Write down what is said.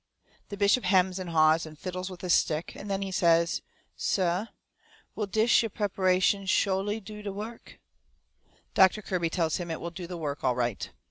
The bishop hems and haws and fiddles with his stick, and then he says: "Suh, will dish yeah prepa'shun SHO'LY do de wohk?" Doctor Kirby tells him it will do the work all right.